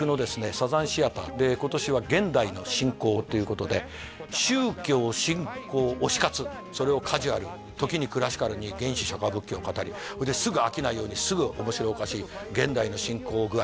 サザンシアターで今年は「現代の信仰」っていうことで宗教信仰推し活それをカジュアル時にクラシカルに原始釈迦仏教を語りですぐ飽きないようにすぐおもしろおかしい現代の信仰具合